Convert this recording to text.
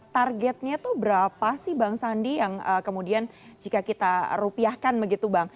targetnya itu berapa sih bang sandi yang kemudian jika kita rupiahkan begitu bang